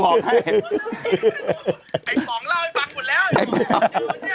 ลองมันไม่ลง